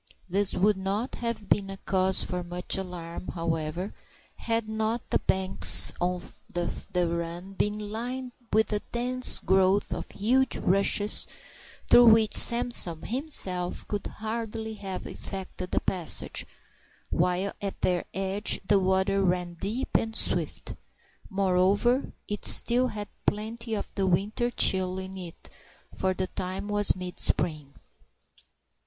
This would not have been a cause for much alarm, however, had not the banks of the run been lined with a dense growth of huge rushes through which Samson himself could hardly have effected a passage, while at their edge the water ran deep and swift. Moreover, it still had plenty of the winter chill in it, for the time was mid spring.